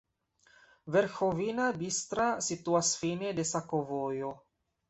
Verĥovina-Bistra situas fine de sakovojo.